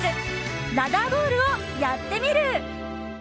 ラダーボールをやってみる。